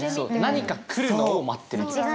何か来るのを待ってる気がする。